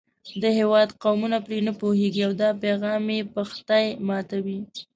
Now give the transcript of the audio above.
د هېواد قومونه پرې نه پوهېږي او دا پیغام یې پښتۍ ماتوي.